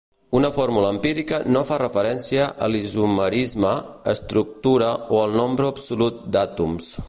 Una fórmula empírica no fa referència a l'isomerisme, estructura o el nombre absolut d'àtoms.